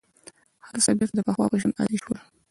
هر څه بېرته د پخوا په شان عادي شول.